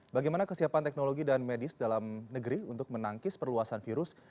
bagaimana kesiapan teknologi dan medis dalam negeri untuk menangkis perluasan virus